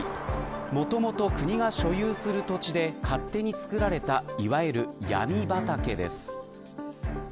もともと国が所有する土地で勝手に作られたいわゆる闇畑です。